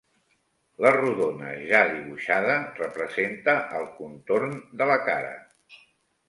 La rodona ja dibuixada representa el contorn de la cara.